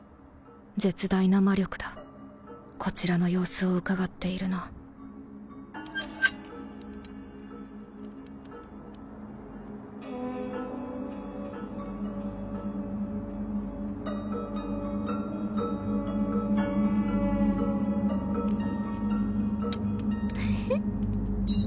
絶大な魔力だこちらの様子をうかがっているなフフ。